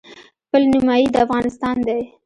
پل نیمايي د افغانستان دی.